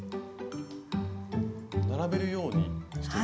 並べるようにしていく。